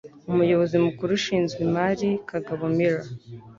Umuyobozi mukuru ushinzwe imari, Kagabo Miller,